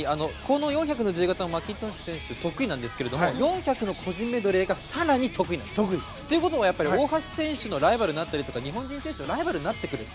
この４００の自由形マッキントッシュ選手得意なんですけど４００ｍの個人メドレーが更に得意なんです。ということは大橋選手のライバルということは日本人選手のライバルになってくる。